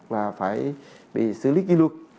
là phải bị xử lý kỳ luật